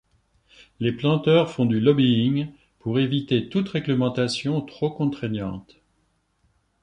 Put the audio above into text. Les planteurs font du lobbying pour éviter toute réglementation trop contraignante.